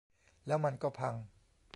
แล้วมันก็พัง